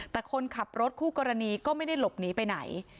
แต่คนขับรถคู่กรณีก็ไม่ได้หลบหนีไปไหน